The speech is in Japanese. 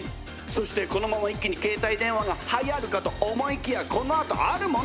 そしてこのまま一気に携帯電話がはやるかと思いきやこのあとあるものがはやるんだぜ。